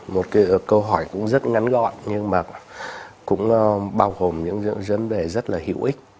một cái câu hỏi cũng rất ngắn gọn nhưng mà cũng bao gồm những vấn đề rất là hữu ích